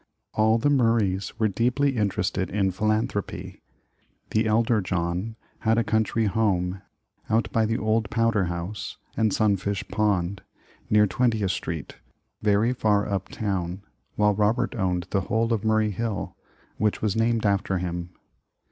All the Murrays were deeply interested in philanthropy. The elder John had a country home 66 New York a Little City out by the old Powder House and Sunfish Pond, near Twentieth Street, very far up town, while Robert owned the whole of Murray Hill, which was named af ter him.